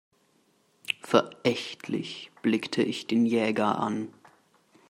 Verächtlich blickte ich den Jäger an.